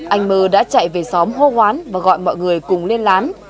anh mơ đã chạy về xóm hô hoán và gọi mọi người cùng lên lán